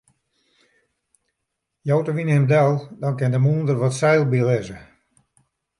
Jout de wyn him del, dan kin de moolder wat seil bylizze.